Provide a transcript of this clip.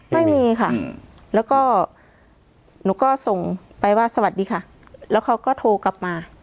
ไม่มีค่ะแล้วก็หนูก็ส่งไปว่าสวัสดีค่ะแล้วเขาก็โทรกลับมา